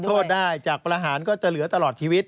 โทษได้จากประหารก็จะเหลือตลอดชีวิต